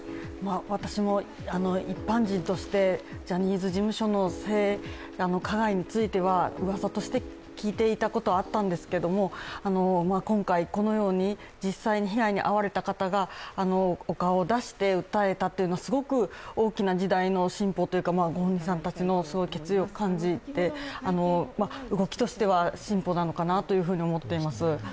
私も一般人としてジャニーズ事務所の性加害についてはうわさとして聞いていたことはあったんですけども、今回、このように実際に被害に遭われた方が、お顔を出して訴えたというのはすごく大きな時代の進歩というか、ご本人さんたちのそういう決意を感じて、動きとしては進歩なのかなと思っています。